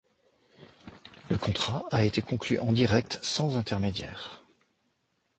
Le contrat a été conclu en direct sans intermédiaire.